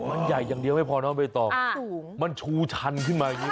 มันใหญ่อย่างเดียวไม่พอน้องใบตองมันชูชันขึ้นมาอย่างนี้